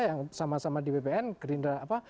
yang sama sama di bpn gerindra apa